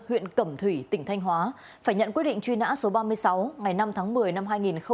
huyện cẩm thủy tỉnh thanh hóa phải nhận quyết định truy nã số ba mươi sáu ngày năm tháng một mươi năm hai nghìn một mươi